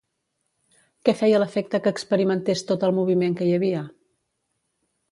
Què feia l'efecte que experimentés tot el moviment que hi havia?